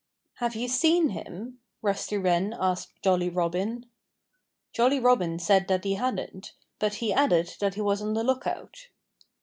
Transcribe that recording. "Have you seen him?" Rusty Wren asked Jolly Robin. Jolly Robin said that he hadn't; but he added that he was on the lookout.